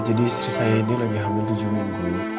istri saya ini lagi hamil tujuh minggu